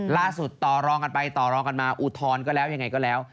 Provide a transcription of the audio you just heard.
ต่อรองกันไปต่อรองกันมาอุทธรณ์ก็แล้วยังไงก็แล้ว